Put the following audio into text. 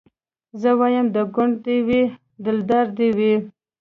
زه وايم د ګوند دي وي دلدار دي وي